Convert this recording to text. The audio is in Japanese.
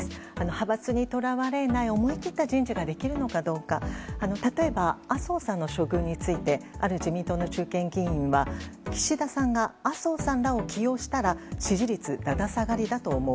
派閥にとらわれない思い切った人事ができるかどうか例えば麻生さんの処遇についてある自民党の中堅議員は岸田さんは麻生さんらを起用したら支持率だだ下がりだと思う。